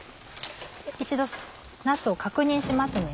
一度なすを確認しますね。